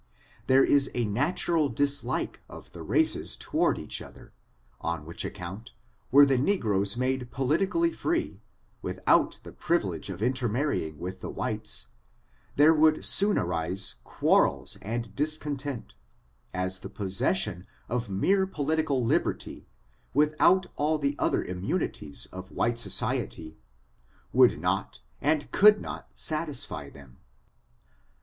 There is a nat ural dislike of the races toward each other, on which account, were the negroes made politically free, with out the privilege of intermarrying with the whites, there would soon arise quarrels and discontent ; as the possession of mere political liberty, without all the other immunities of white society, would not and could not satisfy them.